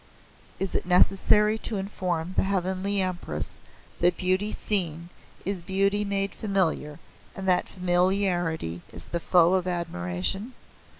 Is it necessary to inform the Heavenly Empress that beauty seen is beauty made familiar and that familiarity is the foe of admiration?